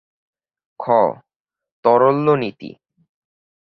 খ. তারল্য নীতি